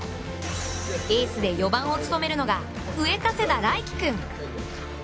エースで４番を務めるのが上加世田頼希君。